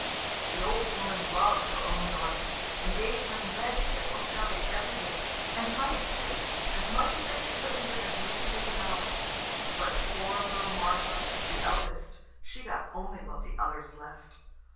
The old woman loved her own daughters, and gave them red kisel jelly every day, and honey too, as much as they could put into their greedy little mouths. But poor little Martha, the eldest, she got only what the others left.